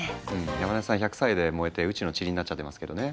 山根さん１００歳で燃えて宇宙のちりになっちゃってますけどね。